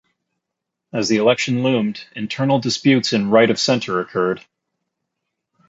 As the election loomed, internal disputes in Right of Centre occurred.